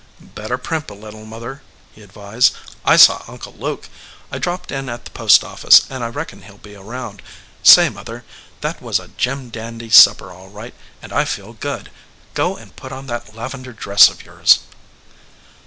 "Better primp a little, mother," he advised. "I saw Uncle Luke. I dropped in at the post office, and I reckon he ll be around. Say, mother, that was a jim dandy supper all right, and I feel good. Go and put on that lavender dress of yours."